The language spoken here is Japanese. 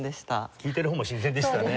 聴いてる方も新鮮でしたね。